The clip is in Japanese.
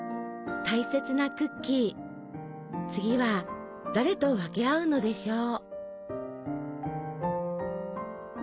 大切なクッキー次は誰と分け合うのでしょう。